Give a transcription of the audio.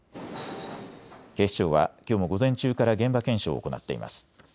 警視庁はきょうも午前中から現場検証を行っています。